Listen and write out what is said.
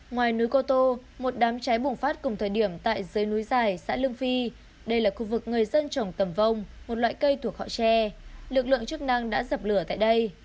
ngoài núi cô tô một đám cháy bùng phát cùng thời điểm tại dưới núi dài xã lương phi đây là khu vực người dân trồng tầm vông một loại cây thuộc họ che lực lượng chức năng đã dập lửa tại đây